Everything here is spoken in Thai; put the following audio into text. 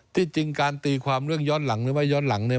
ที่จริงการตีความเรื่องย้อนหลังหรือว่าย้อนหลังเนี่ย